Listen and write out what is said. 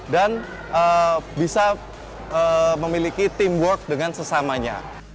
dan bisa memiliki teamwork dengan sesamanya